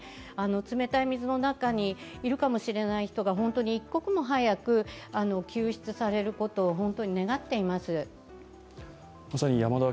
冷たい水の中にいるかもしれない人が一刻も早く救出されることを願っています。